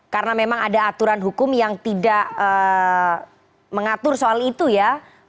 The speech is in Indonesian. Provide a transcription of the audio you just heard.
karena memang ada aturan hukum yang tidak mengatur soal itu ya